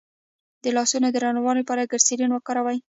د لاسونو د نرموالي لپاره ګلسرین وکاروئ